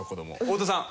太田さん。